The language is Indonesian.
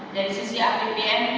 dari sisi apbn